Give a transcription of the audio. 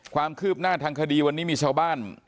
ความคืบหน้าทางคดีวันนี้มีชาวบ้าน